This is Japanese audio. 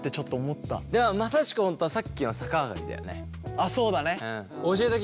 あっそうだね。